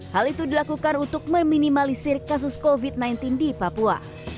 hal itu dilakukan untuk meminimalisir kasus covid sembilan belas di papua